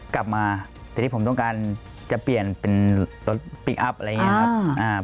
กลับมาแต่ที่ผมต้องการจะเปลี่ยนเป็นรถพลิกอัพอะไรอย่างนี้ครับ